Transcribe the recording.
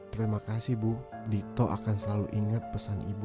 terima kasih bu dito akan selalu ingat pesan ibu